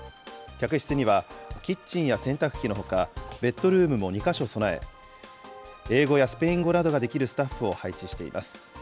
客室には、キッチンや洗濯機のほか、ベッドルームも２か所備え、英語やスペイン語などができるスタッフを配置しています。